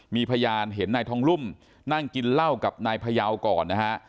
มีพยานเห็นนายทองรุ่มนั่งกินเหล้ากับนายพยาวก่อนนะฮะ